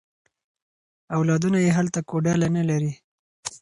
اولادونه یې هلته کوډله نه لري.